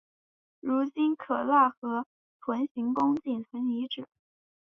如今喀喇河屯行宫仅存遗址。